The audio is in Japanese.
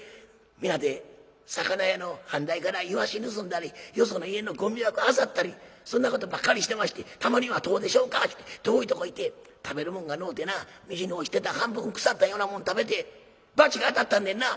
皆で魚屋の飯台から鰯盗んだりよその家のゴミ箱あさったりそんなことばっかりしてまして『たまには遠出しようか』ちゅうて遠いとこ行って食べるもんがのうてな道に落ちてた半分腐ったようなもん食べて罰が当たったんでんな。